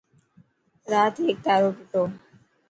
رات هيڪ تارو ٽٽو.